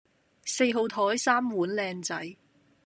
四號枱三碗靚仔